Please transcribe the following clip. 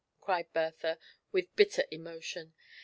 cried Bertha, with bitter emotion.